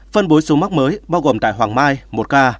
phân bố số mắc mới bao gồm tại hoàng mai một ca